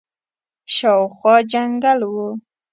شاوخوا جنګل وو.